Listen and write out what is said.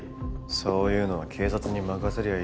そういうのは警察に任せりゃいいだろ？